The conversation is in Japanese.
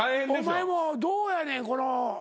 お前もどうやねんさや香の。